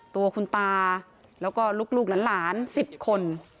ตัวคุณตาแล้วก็ลูกหลาน๑๐คน